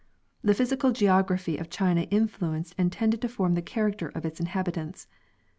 The physical geography of China influenced and tended to form the character of its inhabitants.